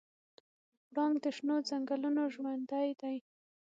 پړانګ د شنو ځنګلونو ژوندی دی.